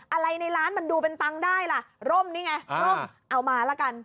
อะไรในร้านมันดูเป็นตังค์ได้ล่ะร่มนี่ไงร่มเอามาละกัน